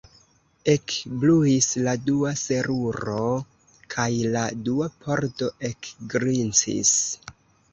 Ekbruis la dua seruro, kaj la dua pordo ekgrincis.